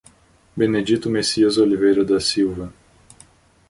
Benedito Messias Oliveira da Silva